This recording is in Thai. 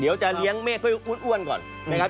เดี๋ยวจะเลี้ยงเมฆให้อ้วนก่อนนะครับ